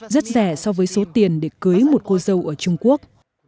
rất rẻ so với số tiền để cưới một cô dâu ở trung quốc